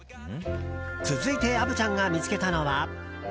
続いて虻ちゃんが見つけたのは。